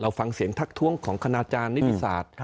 ฟังเสียงทักท้วงของคณาจารย์นิติศาสตร์